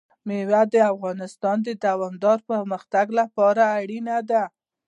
مېوې د افغانستان د دوامداره پرمختګ لپاره اړین دي.